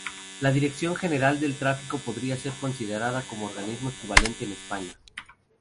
La Dirección General de Tráfico podría ser considerada como el organismo equivalente en España.